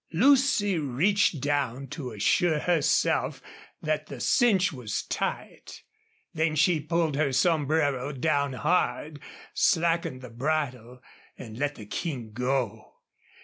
Lucy reached down to assure herself that the cinch was tight, then she pulled her sombrero down hard, slackened the bridle, and let the King go.